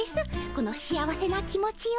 この幸せな気持ちを。